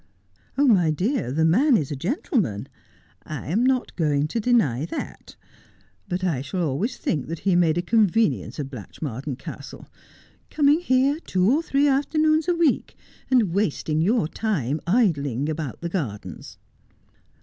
' My dear, the man is a gentleman, I am not going to deny that. But I shall always think that he made a convenience of Blatchmardean Castle — coming here two or three afternoons a week, and wasting your time idling about the gardens.'